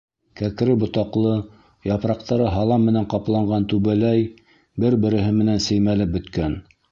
Кәкре ботаҡлы, япраҡтары һалам менән ҡапланған түбәләй бер-береһе менән сеймәлеп бөткән.